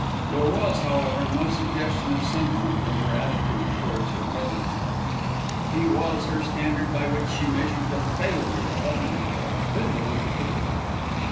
There was, however, no suggestion of sentiment in her attitude towards her brother in law. He was her standard by which she measured the failure of other men, Bindle in particular.